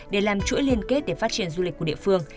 để làm chuỗi liên kết để phát triển du lịch của địa phương